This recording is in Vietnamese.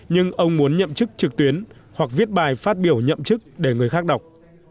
nhưng ông muốn nhậm chức trực tuyến hoặc viết bài phát biểu nhậm chức để người khác đọc